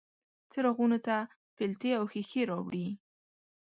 څراغونو ته پیلتې او ښیښې راوړي